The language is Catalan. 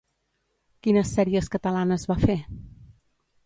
Quines sèries catalanes va fer?